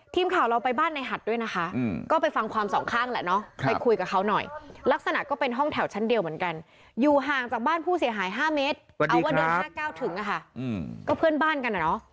ผู้เสียหาย๕เมตรเอาว่าโดน๕๙ถึงอะค่ะก็เพื่อนบ้านกันอะเนาะ